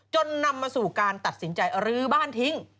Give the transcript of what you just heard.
นำมาสู่การตัดสินใจรื้อบ้านทิ้ง